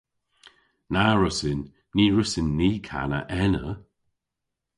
Na wrussyn. Ny wrussyn ni kana ena.